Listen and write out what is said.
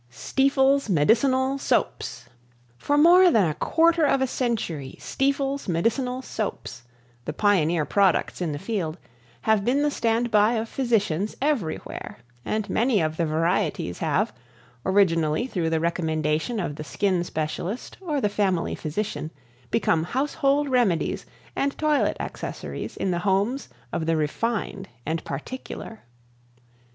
] STIEFEL'S MEDICINAL SOAPS For more than a quarter of a century Stiefel's Medicinal Soaps, the pioneer products in the field, have been the standby of physicians everywhere, and many of the varieties have, originally through the recommendation of the skin specialist or the family physician, become household remedies and toilet accessories in the homes of the refined and particular.